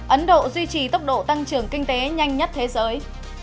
ấn độ duy trì tốc độ tăng trưởng kinh tế nhanh nhất thế giới